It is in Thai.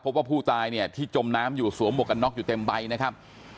พบว่าผู้ตายเนี่ยที่จมน้ำอยู่สวมหวกกันน็อกอยู่เต็มใบนะครับ